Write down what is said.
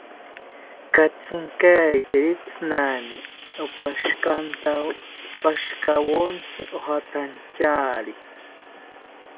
Katzinkaeteri tsinani opashikantawo pashikawontzi ojawatanchari